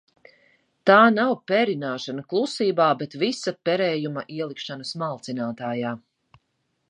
Tā nav perināšana klusībā, bet visa perējuma ielikšana smalcinātājā!